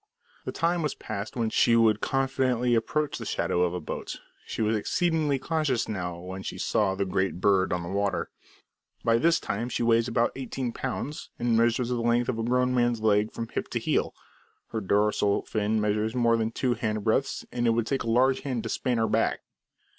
The time was past when she would confidently approach the shadow of a boat, she was exceedingly cautious now when she saw the "great bird" on the water. By this time she weighs about eighteen pounds, and measures the length of a grown man's leg from hip to heel; her dorsal fin measures more than two hand breadths, and it would take a large hand to span her back.